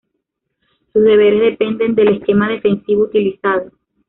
Sus deberes dependen del esquema defensivo utilizado.